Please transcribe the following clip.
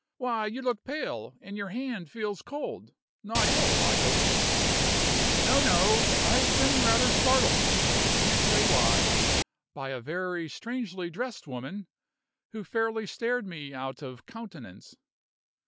"Why, you look pale, and your hand feels cold. Not ill, I hope?" "No, no. I have been rather startled I can't say why by a very strangely dressed woman, who fairly stared me out of countenance."